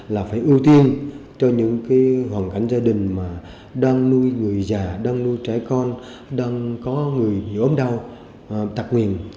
là phải ưu tiên cho những cái hoàn cảnh gia đình mà đang nuôi người già đang nuôi trẻ con đang có người ốm đau tạc nguyền